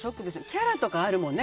キャラとかあるもんね。